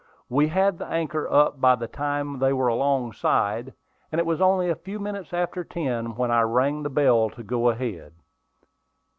We had the anchor up by the time they were alongside, and it was only a few minutes after ten when I rang the bell to go ahead.